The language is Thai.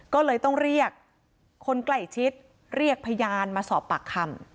ก็เลยต้องเรียกคนใกล้ชิดเรียกพยานมาสอบปากคำ